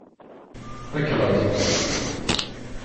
Fakeɣ-ak-t.